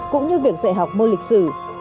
cũng như việc dạy học môn lịch sử